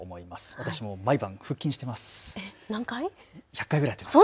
私も毎晩腹筋しています。